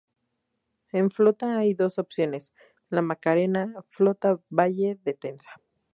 En flota hay dos opciones: La Macarena, Flota Valle de Tenza.